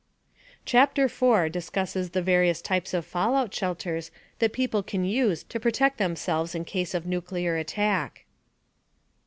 Chapter 4 (pages 23 32) discusses the various types of fallout shelters that people can use to protect themselves in case of nuclear attack.